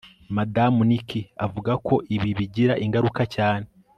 Madamu Nikki avuga ko ibi bigira ingaruka cyane